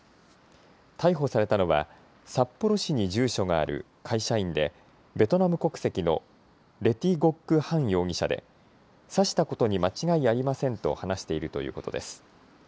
逮捕されたのは札幌市に住所がある会社員でベトナム国籍のレ・ティ・ゴック・ハン容疑者で刺したことに間違いありませんと話しているということです。